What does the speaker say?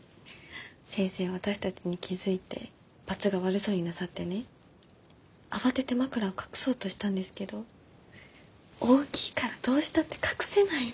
先生私たちに気付いてバツが悪そうになさってね慌てて枕を隠そうとしたんですけど大きいからどうしたって隠せないの。